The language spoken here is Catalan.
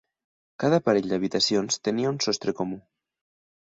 Cada parell d'habitacions tenia un sostre comú.